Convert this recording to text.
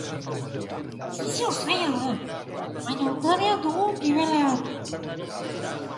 Ofizio zaila da, baina ondarea dugu gibelean.